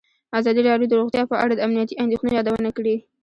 ازادي راډیو د روغتیا په اړه د امنیتي اندېښنو یادونه کړې.